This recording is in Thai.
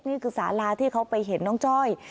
นี่คือสาราที่เขาไปเห็นน้องจ้อย